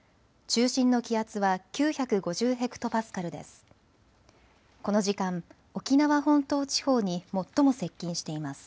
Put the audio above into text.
中心の気圧は９５０ｈＰａです。